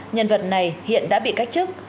nhân vật này hiện đã bị cách chức